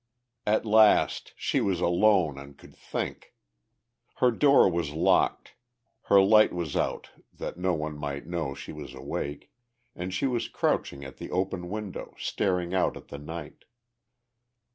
At last she was alone and could think! Her door was locked, her light was out that no one might know she was awake, and she was crouching at the open window, staring out at the night.